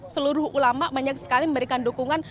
seluruh ulama banyak sekali memberikan dukungan